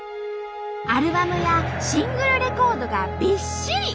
アルバムやシングルレコードがびっしり！